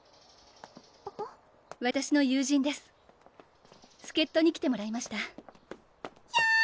わたしの友人です助っ人に来てもらいましたひゃ！